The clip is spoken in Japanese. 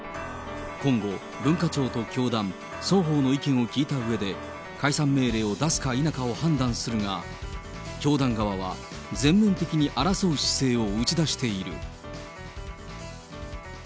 今後、文化庁と教団、双方の意見を聞いたうえで、解散命令を出すか否かを判断するが、教団側は全面的に争う姿勢を打ち出している。